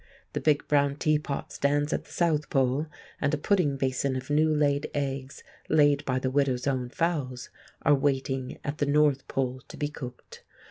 The big brown teapot stands at the South Pole; and a pudding basin of new laid eggs, laid by the widow's own fowls, are waiting, at the North Pole, to be cooked.